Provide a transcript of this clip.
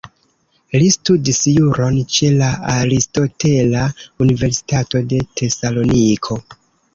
Li studis juron ĉe la Aristotela Universitato de Tesaloniko.